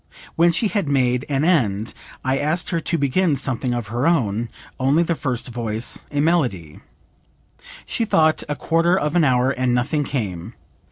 When she had made an end I asked her to begin something of her own, only the first voice, a melody. She thought a full quarter of an hour, and nothing came.